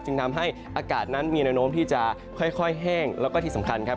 ทำให้อากาศนั้นมีแนวโน้มที่จะค่อยแห้งแล้วก็ที่สำคัญครับ